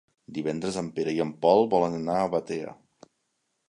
Divendres en Pere i en Pol volen anar a Batea.